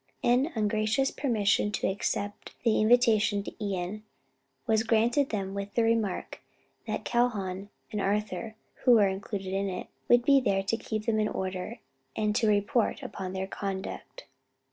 An ungracious permission to accept the invitation to Ion, was granted them with the remark that Calhoun and Arthur, who were included in it, would be there to keep them in order, and also to report upon their conduct.